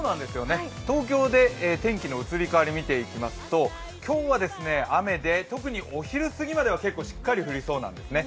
東京で天気の移り変わり見ていきますと、今日は雨で、特にお昼過ぎまでは結構しっかり降りそうなんですね。